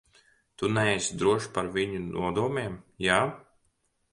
Taču neesi drošs par viņu nodomiem, jā?